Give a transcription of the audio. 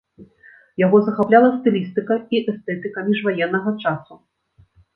Яго захапляла стылістыка і эстэтыка міжваеннага часу.